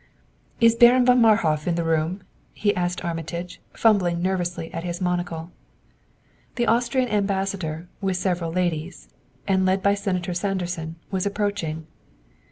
"Is Baron von Marhof in the room?" he asked of Armitage, fumbling nervously at his monocle. The Austrian Ambassador, with several ladies, and led by Senator Sanderson, was approaching.